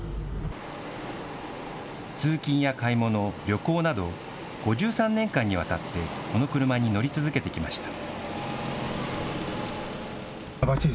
通勤や買い物、旅行など、５３年間にわたってこの車に乗り続けてきました。